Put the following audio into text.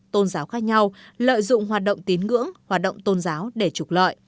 tôn giáo khác nhau lợi dụng hoạt động tín ngưỡng hoạt động tôn giáo để trục lợi